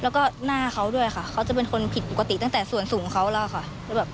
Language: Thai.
แล้วก็หน้าเขาด้วยค่ะเขาจะเป็นคนผิดปกติตั้งแต่ส่วนสูงเขาแล้วค่ะ